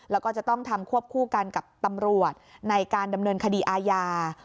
แล้วก็จะต้องทำควบคู่กันกับตำรวจในการดำเนินคดีอาญา